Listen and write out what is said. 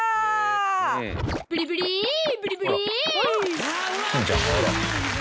ブリブリブリブリ！